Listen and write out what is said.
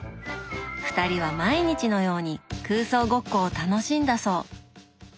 ２人は毎日のように空想ごっこを楽しんだそう。